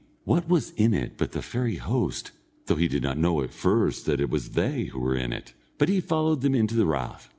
What was in it but the fairy host, though he did not know at first that it was they who were in it, but he followed them into the rath.